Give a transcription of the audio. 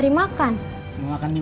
tidak ada apa apa